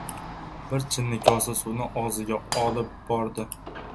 Bir chinni kosa suvni og‘ziga olib bordi.